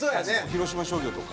広島商業とか。